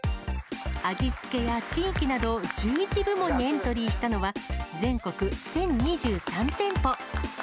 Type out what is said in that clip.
味付けや地域など１１部門にエントリーしたのは、全国１０２３店舗。